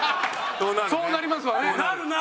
そうなりますわね。